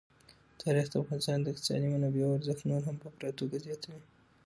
تاریخ د افغانستان د اقتصادي منابعو ارزښت نور هم په پوره توګه زیاتوي.